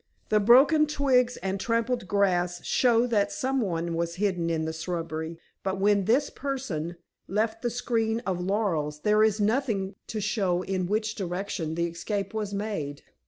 The broken twigs and trampled grass show that some one was hidden in the shrubbery, but when this person left the screen of laurels, there is nothing to show in which direction the escape was made."